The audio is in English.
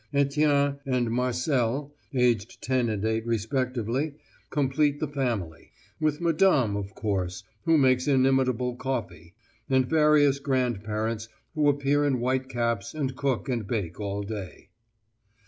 Etienne and Marcelle, aged ten and eight respectively, complete the family; with Madame, of course, who makes inimitable coffee; and various grandparents who appear in white caps and cook and bake all day.